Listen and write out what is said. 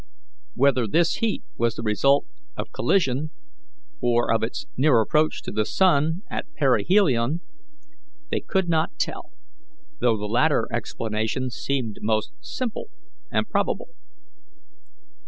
Whether this heat was the result of collision or of its near approach to the sun at perihelion, they could not tell, though the latter explanation seemed most simple and probable.